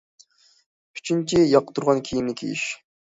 ئۈچىنچى، ياقتۇرغان كىيىمنى كىيىش.